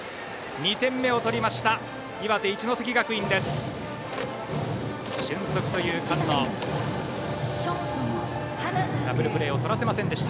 ２点目を取りました岩手・一関学院です。